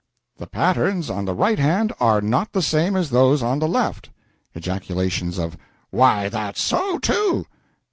'] The patterns on the right hand are not the same as those on the left. [Ejaculations of 'Why, that's so, too!'